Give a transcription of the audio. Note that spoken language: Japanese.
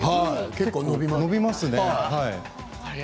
結構、伸びますね。